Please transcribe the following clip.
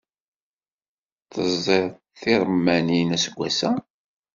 Teẓẓiḍ tiṛemmanin aseggas-a?